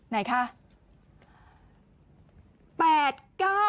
ไม่ต้องถามอายุค่ะ